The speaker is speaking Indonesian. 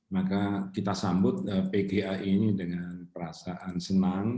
maka kita sambut pgai ini dengan perasaan senang